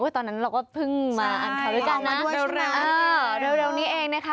โอ้ยตอนนั้นเราก็เพิ่งมาอันเคราะห์ด้วยกันนะเออเร็วนี้เองนะคะ